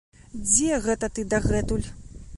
Дзе гэта ты дагэтуль?